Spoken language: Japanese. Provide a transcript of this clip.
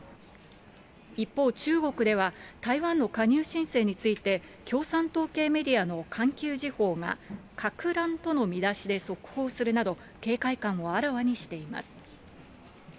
一方、中国では、台湾の加入申請について共産党系メディアの環球時報が、かく乱との見出しで速報するなど、警戒感をあらわにしています。